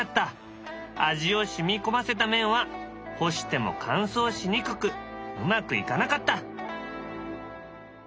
味を染み込ませた麺は干しても乾燥しにくくうまくいかなかった。